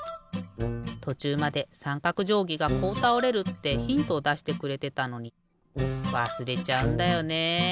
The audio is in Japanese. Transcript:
とちゅうまでさんかくじょうぎがこうたおれるってヒントをだしてくれてたのにわすれちゃうんだよね。